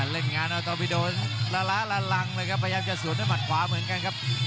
เล่นงานเอาตอวิโดนละล้าละลังเลยครับพยายามจะสวนด้วยหมัดขวาเหมือนกันครับ